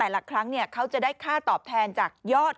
โหโหโหโหโห